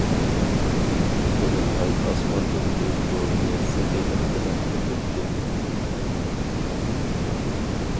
تولۇن ئاي ئاسماندىن ئۆز نۇرىنى سېخىيلىق بىلەن تۆكەتتى.